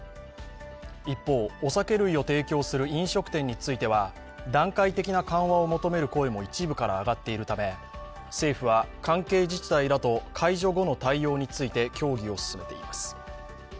一方、お酒類を提供する飲食店については段階的な緩和を求める声も一部から上がっているため政府は関係自治体らと解除後の対応について協議を進めています。